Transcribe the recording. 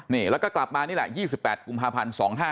นี่แล้วก็กลับมานี่แหละ๒๘กุมภาพันธ์๒๕๖